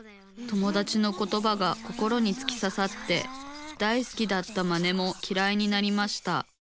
友だちのことばが心につきささって大好きだったマネもきらいになりました。